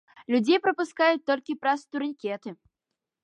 Людзей прапускаюць толькі праз турнікеты.